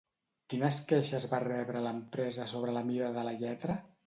Quines queixes va rebre l'empresa sobre la mida de la lletra?